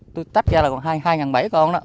tôi tách ra là còn hai bảy trăm linh con đó